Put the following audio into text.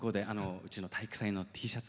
うちの体育祭のＴシャツ。